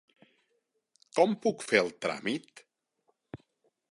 Com puc fer el tràmit?